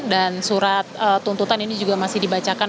dan surat tuntutan ini juga masih dibacakan